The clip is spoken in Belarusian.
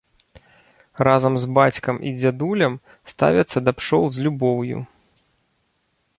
Разам з бацькам і дзядулям ставяцца да пчол з любоўю.